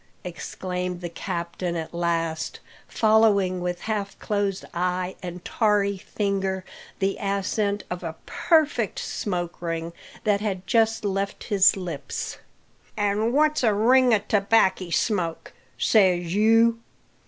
exclaimed the captain at last, following with half closed eye and tarry finger the ascent of a perfect smoke ring that had just left his lips. "An' what's a ring o' tobackie smoke? says you.